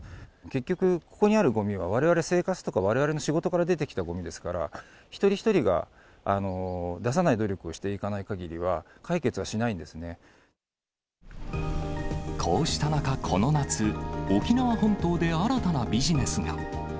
結局、ここにあるごみはわれわれの生活とか、われわれの仕事から出てきたごみですから、一人一人が出さない努力をしていかないかこうした中、この夏、沖縄本島で新たなビジネスが。